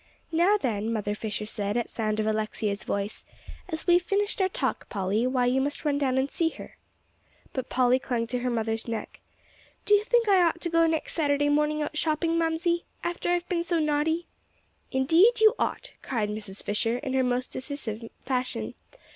"Now then," Mother Fisher said at sound of Alexia's voice, "as we've finished our talk, Polly, why, you must run down and see her." But Polly clung to her mother's neck. "Do you think I ought to go next Saturday morning out shopping, Mamsie, after I've been so naughty?" "Indeed, you ought," cried Mrs. Fisher, in her most decisive fashion.